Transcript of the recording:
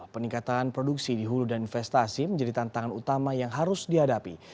peningkatan produksi di hulu dan investasi menjadi tantangan utama yang harus dihadapi